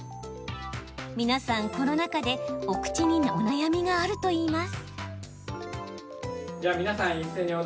皆さん、コロナ禍でお口にお悩みがあるといいます。